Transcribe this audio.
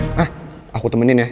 eh aku temenin ya